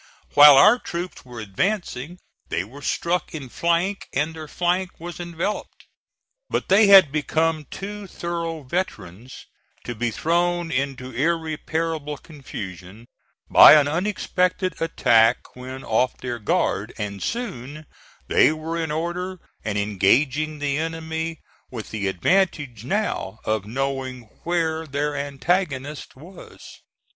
While our troops were advancing they were struck in flank, and their flank was enveloped. But they had become too thorough veterans to be thrown into irreparable confusion by an unexpected attack when off their guard, and soon they were in order and engaging the enemy, with the advantage now of knowing where their antagonist was.